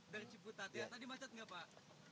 dari ciputat ya tadi macet nggak pak